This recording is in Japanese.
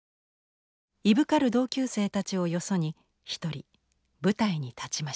いぶかる同級生たちをよそに一人舞台に立ちました。